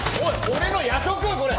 俺の夜食これ。